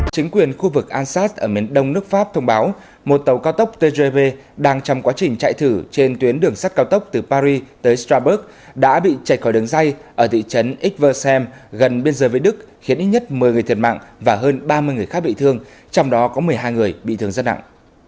chính quyền khu vực ansat ở miền đông nước pháp thông báo một tàu cao tốc tgv đang trong quá trình chạy thử trên tuyến đường sắt cao tốc từ paris tới strabburg đã bị chạy khỏi đường dây ở thị trấn eversem gần biên giới với đức khiến ít nhất một mươi người thiệt mạng và hơn ba mươi người khác bị thương trong đó có một mươi hai người bị thương rất nặng